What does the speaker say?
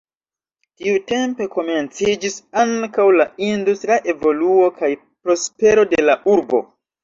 Tiutempe komenciĝis ankaŭ la industria evoluo kaj prospero de la urbo.